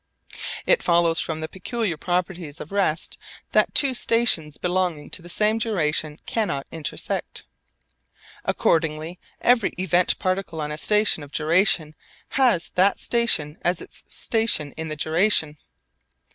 It follows from the peculiar properties of rest that two stations belonging to the same duration cannot intersect. Accordingly every event particle on a station of a duration has that station as its station in the duration.